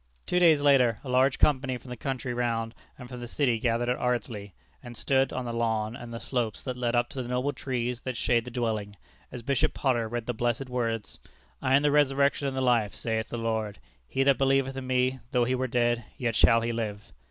Two days later a large company from the country round and from the city gathered at Ardsley, and stood on the lawn and the slopes that lead up to the noble trees that shade the dwelling, as Bishop Potter read the blessed words, "I am the Resurrection and the Life, saith the Lord: he that believeth in Me, though he were dead, yet shall he live."